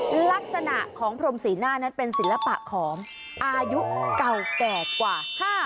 ลักษณะของพรมศรีหน้านั้นเป็นศิลปะของอายุเก่าแก่กว่า